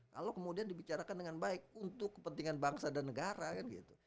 kalau kemudian dibicarakan dengan baik untuk kepentingan bangsa dan negara kan gitu